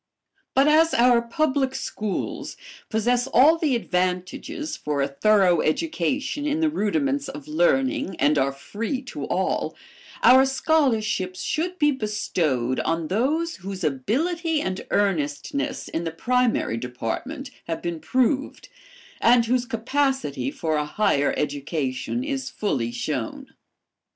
But as our public schools possess all the advantages for a thorough education in the rudiments of learning and are free to all, our scholarships should be bestowed on those whose ability and earnestness in the primary department have been proved, and whose capacity for a higher education is fully shown.